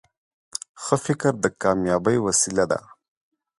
ښه فکر د کامیابۍ وسیله ده.